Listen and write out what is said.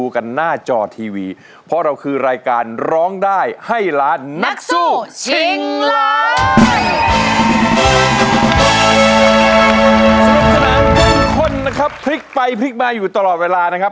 คนพลิกไปพลิกมาอยู่ตลอดเวลานะครับ